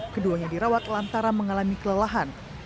keduanya dirawat lantaran mengalami kelelahan